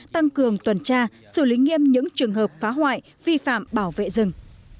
tăng cường tuần tra xử lý nghiêm những trường hợp phá hoại vi phạm bảo vệ rừng